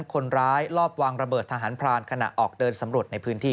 คนร้ายลอบวางระเบิดทหารพรานขณะออกเดินสำรวจในพื้นที่